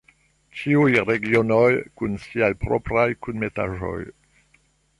Ĉiuj regionoj kun siaj propraj kunmetaĵoj!